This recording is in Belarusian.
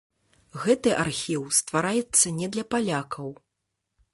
Гэты архіў ствараецца не для палякаў.